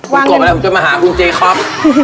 คุณกบอะไรผมจะมาหาคุณเจ๊ครับ